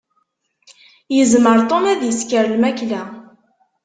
Yezmer Tom ad isker lmakla.